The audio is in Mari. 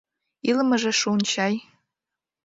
Илымыже шуын чай.